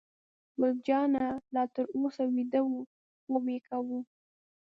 ګل جانه لا تر اوسه ویده وه، خوب یې کاوه.